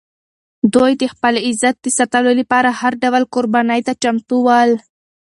دوی د خپل عزت د ساتلو لپاره هر ډول قربانۍ ته چمتو ول.